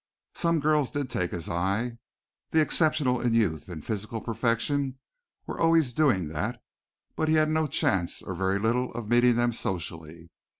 Some girls did take his eye the exceptional in youth and physical perfection were always doing that, but he had no chance or very little of meeting them socially.